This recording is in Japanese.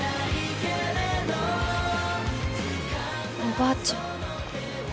・おばあちゃん